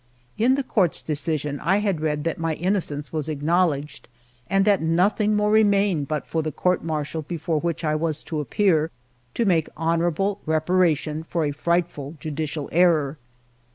In the Court's decision I had read that my innocence was acknowledged, and that nothing more remained but for the Court Martial before which I was to appear to make honorable repara tion for a frightful judicial error.